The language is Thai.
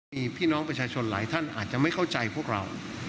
มีพี่น้องประชาชนหลายท่านอาจจะไม่เข้าใจพวกเรา